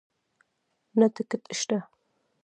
نه ټکټ شته